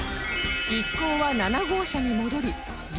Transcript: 一行は７号車に戻り激